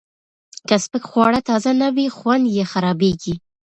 که سپک خواړه تازه نه وي، خوند یې خرابېږي.